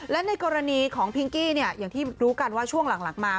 และในกรณีของพิงกี้เนี่ยอย่างที่รู้กันว่าช่วงหลังมา